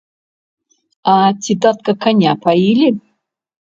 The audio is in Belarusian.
А ці, татка, каня паілі?